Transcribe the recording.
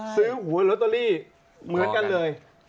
หวยลอตเตอรี่เหมือนกันเลย